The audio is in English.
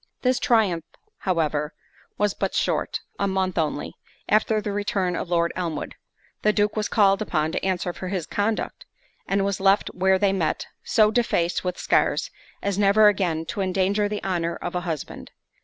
This triumph however was but short—a month only, after the return of Lord Elmwood, the Duke was called upon to answer for his conduct, and was left where they met, so defaced with scars, as never again to endanger the honour of a husband.